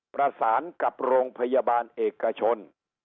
ประสานกับโรงพยาบาลเอกชน